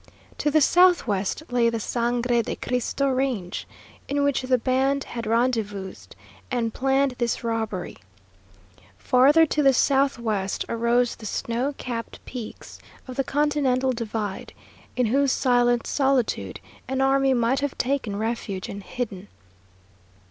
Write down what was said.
To the southwest lay the Sangre de Cristo range, in which the band had rendezvoused and planned this robbery. Farther to the southwest arose the snow capped peaks of the Continental Divide, in whose silent solitude an army might have taken refuge and hidden.